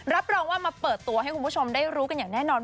รับรองว่ามาเปิดตัวให้คุณผู้ชมได้รู้กันอย่างแน่นอน